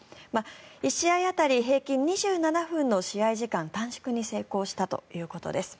１試合当たり平均２７分の試合時間短縮に成功したということです。